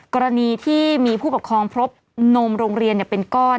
กรณีที่มีผู้ปกครองพบนมโรงเรียนเป็นก้อน